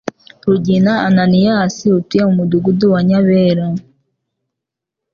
RUGINA Ananias utuye mu mudugudu wa Nyabera